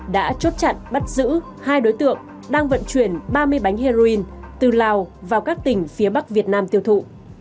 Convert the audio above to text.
đã chốt chặn bắt giữ hai đối tượng đang vận chuyển ba mươi bánh heroin từ lào vào các tỉnh phía bắc việt nam tiêu thụ